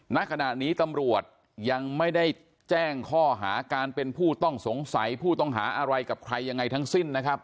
ณขณะนี้ตำรวจยังไม่ได้แจ้งข้อหาการเป็นผู้ต้องสงสัยผู้ต้องหาอะไรกับใครยังไงทั้งสิ้นนะครับ